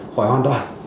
khỏi hoàn toàn